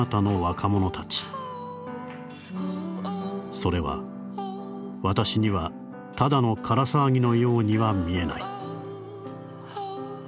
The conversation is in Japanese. それは私にはただの空騒ぎのようには見えない」。